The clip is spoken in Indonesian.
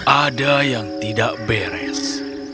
ada yang tidak beres